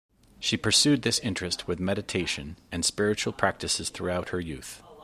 She pursued this interest with meditation and spiritual practices throughout her youth.